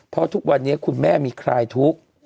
เพราะทุกวันนี้คุณแม่มีคลายทุกข์